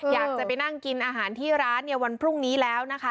อยากจะไปนั่งกินอาหารที่ร้านเนี่ยวันพรุ่งนี้แล้วนะคะ